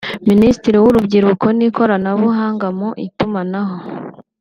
Minisitiri w’Urubyiruko n’Ikoranabuhanga mu Itumanaho